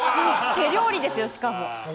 手料理ですよ、しかも。